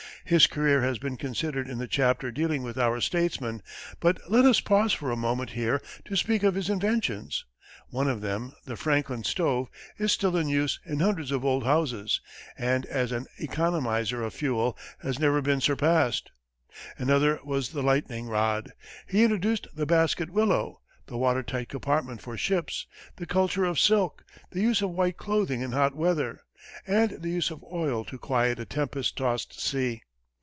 His career has been considered in the chapter dealing with our statesmen, but let us pause for a moment here to speak of his inventions. One of them, the Franklin stove, is still in use in hundreds of old houses, and as an economizer of fuel has never been surpassed; another was the lightning rod. He introduced the basket willow, the water tight compartment for ships, the culture of silk, the use of white clothing in hot weather, and the use of oil to quiet a tempest tossed sea.